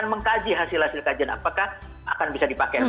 kita tajih hasil hasil kajian apakah akan bisa dipakai